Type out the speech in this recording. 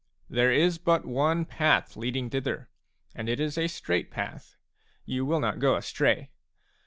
There is but one path leading thither, and it is a straight path ; you will not go astray.